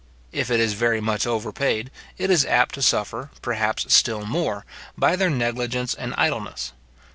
If it is very much overpaid, it is apt to suffer, perhaps still more, by their negligence and idleness.